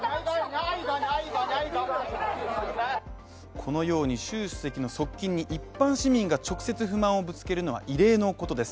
このように習主席の側近に一般市民が直接不満をぶつけるのは異例のことです。